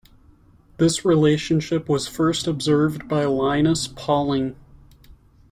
This relationship was first observed by Linus Pauling.